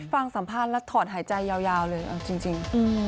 ฟังสัมภาษณ์แล้วถอดหายใจยาวเลยเอาจริง